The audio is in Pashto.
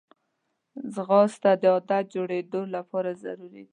ځغاسته د عادت جوړېدو لپاره ضروري ده